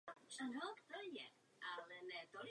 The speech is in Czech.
Prosazoval jazykové vymezení národnosti.